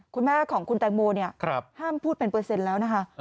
คุณแม่ของคุณแตงโมเนี่ยห้ามพูดเป็นเปอร์เซ็นต์แล้วนะคะ